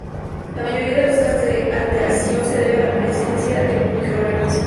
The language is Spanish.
La mayoría de los casos de alteración se debe a la presencia de microorganismos.